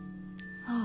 ああ。